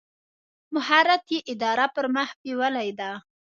مهارت یې اداره پر مخ بېولې ده.